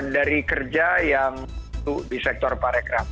dari kerja yang di sektor parekraf